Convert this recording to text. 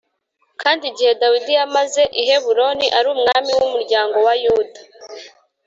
Kandi igihe Dawidi yamaze i Heburoni ari umwami w’umuryango wa Yuda